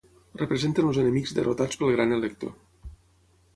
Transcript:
Representen els enemics derrotats pel gran elector.